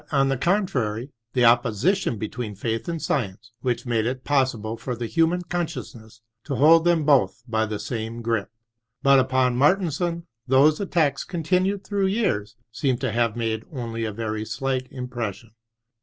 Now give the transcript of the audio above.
on the contrary, the opposition between faith and science which made it pos sible for the human consciousness to hold them both by the same grip. But upon Mar tensen those attacks, continued through years, seem to have made only a very slight impres sion.